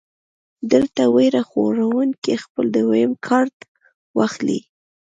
دلته وېره خوروونکے خپل دويم کارډ راواخلي -